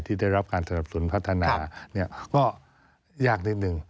ที่ได้รับการสนับสนุนพัฒนาก็ยากนิดนึง